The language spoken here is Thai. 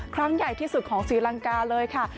ครั้งใหญ่ที่สุดของศรีลังกาเลยค่ะ